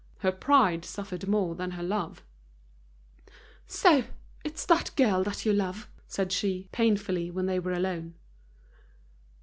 Her pride suffered more than her love. "So, it's that girl that you love?" said she, painfully, when they were alone.